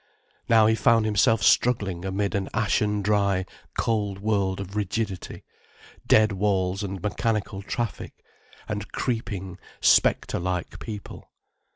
Now he found himself struggling amid an ashen dry, cold world of rigidity, dead walls and mechanical traffic, and creeping, spectre like people.